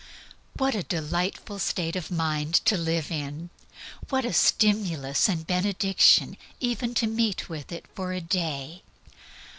What a delightful state of mind to live in! What a stimulus and benediction even to meet with it for a day!